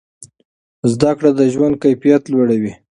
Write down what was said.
زده کړه د ژوند کیفیت لوړوي.